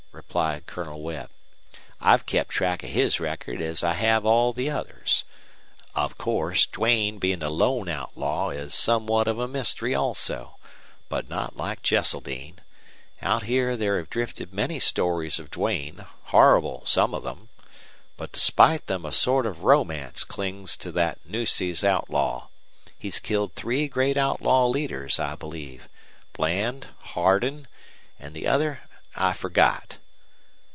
returned Colonel Webb. "I've kept track of his record as I have all the others. Of course, Duane, being a lone outlaw, is somewhat of a mystery also, but not like Cheseldine. Out here there have drifted many stories of Duane, horrible some of them. But despite them a sort of romance clings to that Nueces outlaw. He's killed three great outlaw leaders, I believe Bland, Hardin, and the other I forgot.